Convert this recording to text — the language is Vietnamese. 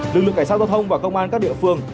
lực lượng cảnh sát giao thông và công an các địa phương